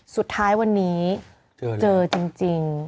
สุดท้ายวันนี้เจอจริง